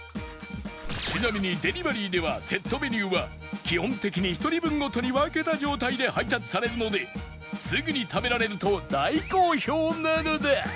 ちなみにデリバリーではセットメニューは基本的に１人分ごとに分けた状態で配達されるのですぐに食べられると大好評なのだ！